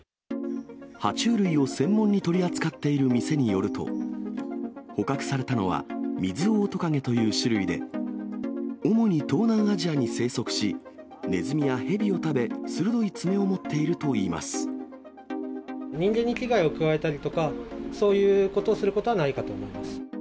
は虫類を専門に取り扱っている店によると、捕獲されたのはミズオオトカゲという種類で、主に東南アジアに生息し、ネズミやヘビを食べ、人間に危害を加えたりとか、そういうことをすることはないかと思います。